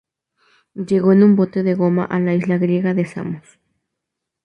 Llegó en un bote de goma a la isla griega de Samos.